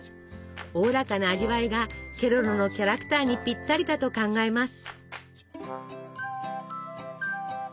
おおらかな味わいがケロロのキャラクターにぴったりだと考えます。